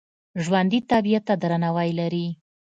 ژوندي طبیعت ته درناوی لري